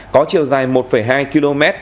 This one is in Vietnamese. có chiều dài một hai km